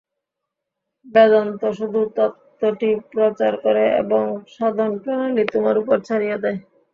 বেদান্ত শুধু তত্ত্বটি প্রচার করে এবং সাধনপ্রণালী তোমার উপর ছাড়িয়া দেয়।